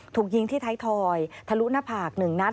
ถูกยิงที่ไทยทอยทะลุหน้าผาก๑นัด